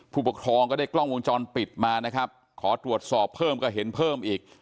ผู้ปกครองก็ได้กล้องวงจรปิดมานะครับขอตรวจสอบเพิ่มก็เห็นเพิ่มอีก